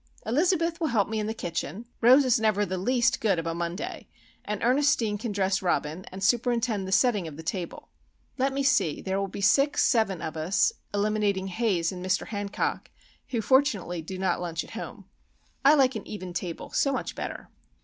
Elizabeth will help me in the kitchen, Rose is never the least good of a Monday, and Ernestine can dress Robin and superintend the setting of the table. Let me see, there will be six, seven, of us,—eliminating Haze and Mr. Hancock, who fortunately do not lunch at home. I like an even table so much better."